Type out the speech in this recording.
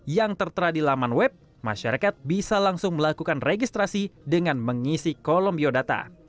yang tertera di laman web masyarakat bisa langsung melakukan registrasi dengan mengisi kolom biodata